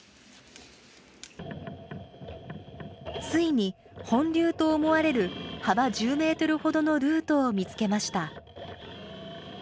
ついに、本流と思われる幅１０メートルほどのルートを見つけました。